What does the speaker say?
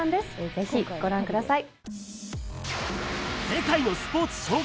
ぜひご覧ください。